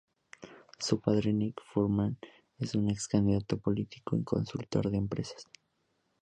Su padre, Nick Fuhrman, es un ex candidato político y consultor de empresas.